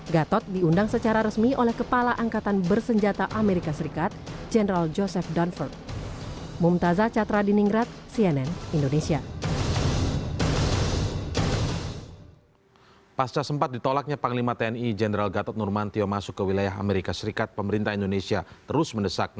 gatot diundang secara resmi oleh kepala angkatan bersenjata as general joseph dunford